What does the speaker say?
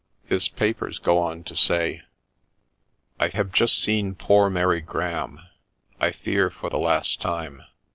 His papers go on to say :' I have just seen poor Mary Graham, — I fear for the last time.